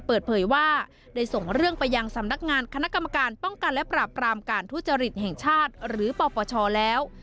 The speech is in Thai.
เปิดเผยว่าได้ส่งเรื่องไปยังสำนักงานคณะกรรมการป้องกันและปราบปรามการทุจริตแห่งชาติหรือปปชแล้ว